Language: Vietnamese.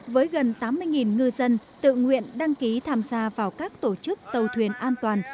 với gần tám mươi ngư dân tự nguyện đăng ký tham gia vào các tổ chức tàu thuyền an toàn